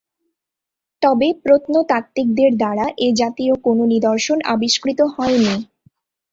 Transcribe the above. তবে প্রত্নতাত্ত্বিকদের দ্বারা এ জাতীয় কোনও নিদর্শন আবিষ্কৃত হয়নি।